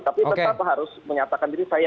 tapi tetap harus menyatakan ini